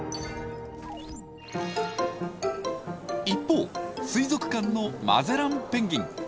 一方水族館のマゼランペンギン。